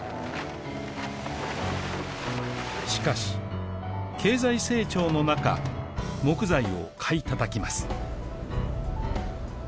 しかし経済成長の中木材を買いたたきます